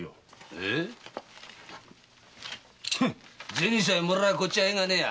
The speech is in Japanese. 銭さえもらえばこっちは縁がねえや！